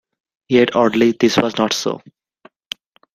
Yet, oddly, this was not so.